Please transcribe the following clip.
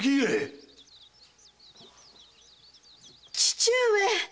父上。